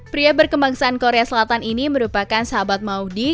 pria berkembangsaan korea selatan ini merupakan sahabat maudie